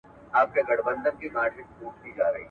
زه بوټونه نه پاکوم؟